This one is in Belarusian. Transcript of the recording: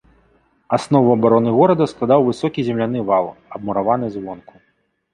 Аснову абароны горада складаў высокі земляны вал, абмураваны звонку.